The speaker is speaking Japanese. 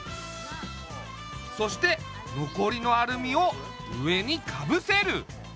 そしてのこりのアルミを上にかぶせる。